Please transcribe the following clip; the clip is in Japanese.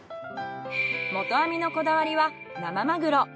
元網のこだわりは生マグロ。